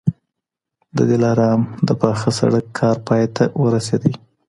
د دلارام د پاخه سړک کار پای ته ورسېدی.